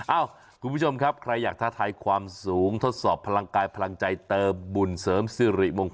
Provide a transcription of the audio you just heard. เอ้าคุณผู้ชมครับใครอยากท้าทายความสูงทดสอบพลังกายพลังใจเติมบุญเสริมสิริมงคล